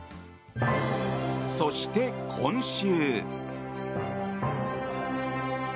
そして、今週。